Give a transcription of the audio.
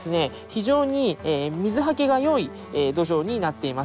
非常に水はけがよい土壌になっています。